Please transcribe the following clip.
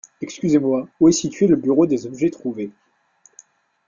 Excusez-moi, où est situé le bureau des objets trouvés ?